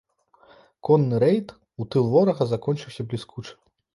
Конны рэйд у тыл ворага закончыўся бліскуча.